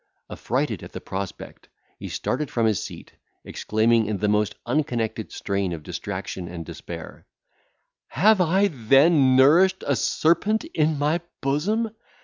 Affrighted at the prospect, he started from his seat, exclaiming, in the most unconnected strain of distraction and despair, "Have I then nourished a serpent in my bosom!